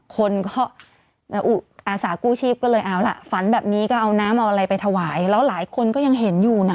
คนก็อาสากู้ชีพก็เลยเอาล่ะฝันแบบนี้ก็เอาน้ำเอาอะไรไปถวายแล้วหลายคนก็ยังเห็นอยู่น่ะ